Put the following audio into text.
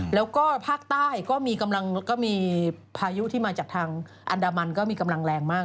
แล้วก็ภาคใต้ก็มีกำลังก็มีพายุที่มาจากทางอันดามันก็มีกำลังแรงมาก